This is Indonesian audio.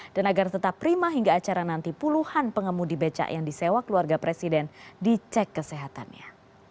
dan agar tetap prima hingga acara nanti puluhan pengemudi beca yang disewak keluarga presiden dicek kesehatannya